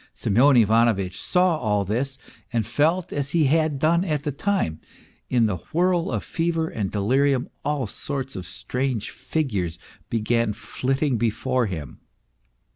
Semyon Ivanovitch saw all this and felt as he had done at the time ; in the whirl of fever and delirium all sorts of strange figures began flitting before him.